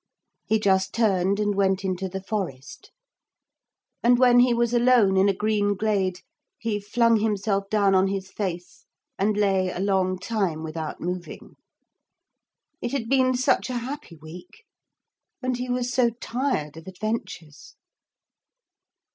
He just turned and went into the forest. And when he was alone in a green glade, he flung himself down on his face and lay a long time without moving. It had been such a happy week. And he was so tired of adventures.